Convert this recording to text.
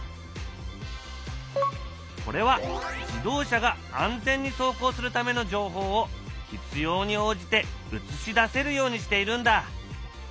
これは自動車が安全に走行するための情報を必要に応じて映し出せるようにしているんだ。